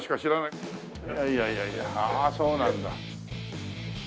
いやいやいやいやはあそうなんだ。